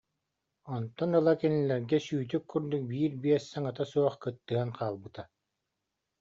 Онтон ыла кинилэргэ сүүтүк курдук биир биэс саҥата суох кыттыһан хаалбыта